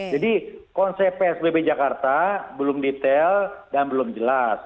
jadi konsep psbb jakarta belum detail dan belum jelas